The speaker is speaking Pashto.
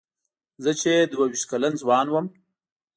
زه چې دوه وېشت کلن ځوان وم.